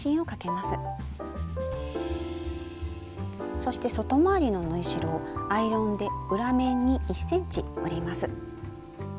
そして外回りの縫い代をアイロンで裏面に１ｃｍ折ります。